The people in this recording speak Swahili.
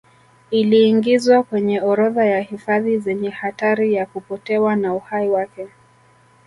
Iliingizwa kwenye orodha ya hifadhi zenye hatari ya kupotewa na uhai wake